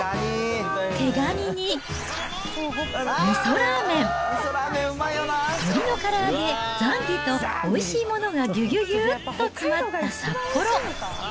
毛ガニに、みそラーメン、鶏のから揚げ、ザンギと、おいしいものがぎゅぎゅぎゅーっと詰まった札幌。